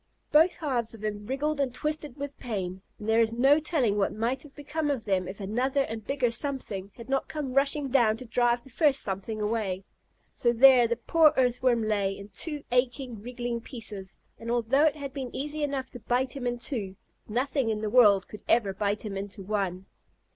Both halves of him wriggled and twisted with pain, and there is no telling what might have become of them if another and bigger Something had not come rushing down to drive the first Something away. So there the poor Earthworm lay, in two aching, wriggling pieces, and although it had been easy enough to bite him in two, nothing in the world could ever bite him into one.